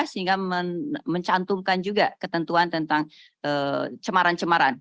sehingga mencantumkan juga ketentuan tentang cemaran cemaran